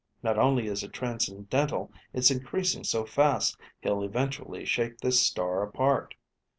Not only is it transcendental, it's increasing so fast he'll eventually shake this star apart.